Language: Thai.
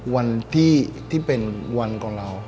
วันที่เป็นวันของเรา